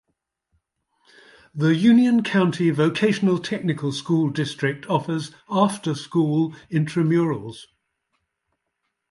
The Union County Vocational Technical School district offers after school intramurals.